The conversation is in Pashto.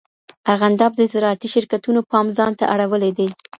ارغنداب د زراعتي شرکتونو پام ځان ته اړولی دی.